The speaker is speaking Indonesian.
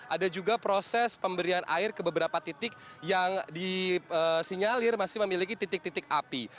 ada juga proses pemberian air ke beberapa titik yang disinyalir masih memiliki titik titik api